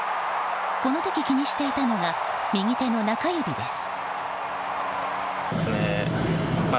この時、気にしていたのが右手の中指です。